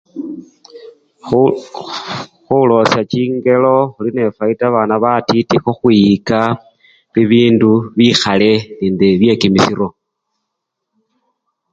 Khu! ko! khulosya chingelo khulinende fayida yebabana batiti khukhwiyika bibindu bikhale nende byekimisiro.